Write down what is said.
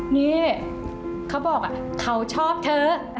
นี่เขาบอกเขาชอบเถอะ